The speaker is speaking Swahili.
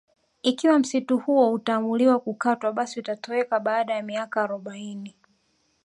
Ikiwa msitu huo utaamuliwa kukatwa basi utatoweka baada ya miaka arobaini